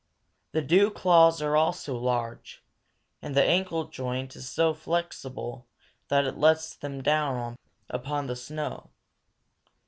The dew claws are also large, and the ankle joint so flexible that it lets them down upon the snow.